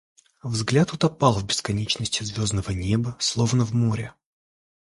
Взгляд утопал в бесконечности звездного неба, словно в море.